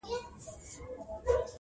چا مي وویل په غوږ کي!!